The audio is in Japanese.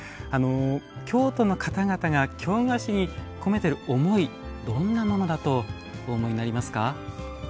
京都の方々が京菓子に込めている思いどんなものだとお思いになりますか？